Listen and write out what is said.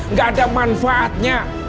nggak ada manfaatnya